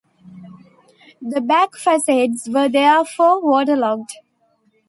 The back facades were therefore water-locked.